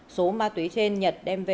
số ma túy trên nhật đem về